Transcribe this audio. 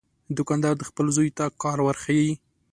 دوکاندار خپل زوی ته کار ورښيي.